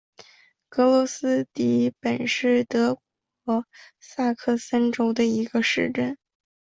格罗斯迪本是德国萨克森州的一个市镇。